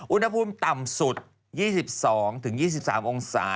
อุณหภูมิต่ำสุด๒๒๒๓องศา